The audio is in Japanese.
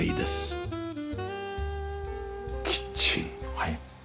はい。